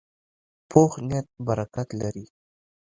پوخ نیت برکت لري